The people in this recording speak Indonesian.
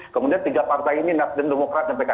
kemudian tiga partai ini nasdem demokrat dan pks